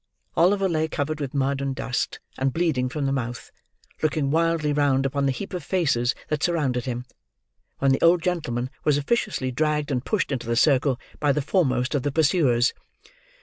Oliver lay, covered with mud and dust, and bleeding from the mouth, looking wildly round upon the heap of faces that surrounded him, when the old gentleman was officiously dragged and pushed into the circle by the foremost of the pursuers.